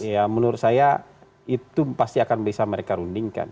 ya menurut saya itu pasti akan bisa mereka rundingkan